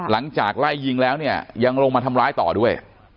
หลังจากไล่ยิงแล้วเนี่ยยังลงมาทำร้ายต่อด้วย